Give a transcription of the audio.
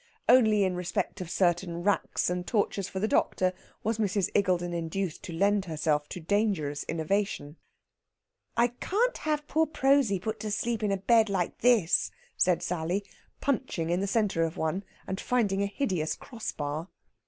Only in respect of certain racks and tortures for the doctor was Mrs. Iggulden induced to lend herself to dangerous innovation. "I can't have poor Prosy put to sleep in a bed like this," said Sally, punching in the centre of one, and finding a hideous cross bar.